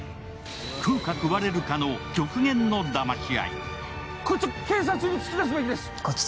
食うか食われるかの極限の騙し合い。